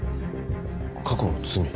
「過去の罪」？